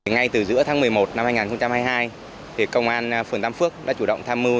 ngay từ giữa tháng một mươi một năm hai nghìn hai mươi hai công an phường tam phước đã chủ động tham mưu